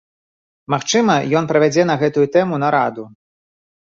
Магчыма, ён правядзе на гэтую тэму нараду.